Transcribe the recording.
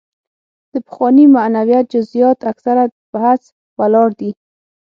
د پخواني معنویت جزیات اکثره په حدس ولاړ دي.